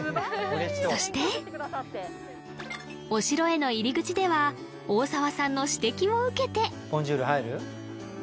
そしてお城への入り口では大澤さんの指摘を受けて「ボンジュール」入る？